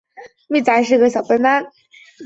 波托米阶末期灭绝事件末期的灭绝事件。